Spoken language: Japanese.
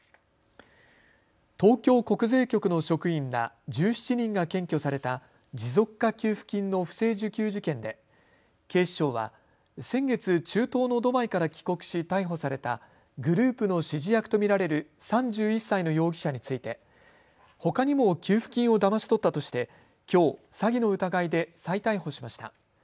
東京国税局の職員ら１７人が検挙された持続化給付金の不正受給事件で警視庁は先月、中東のドバイから帰国し逮捕されたグループの指示役と見られる３１歳の容疑者についてほかにも給付金をだまし取ったとしてきょう、詐欺の疑いで再逮捕しました。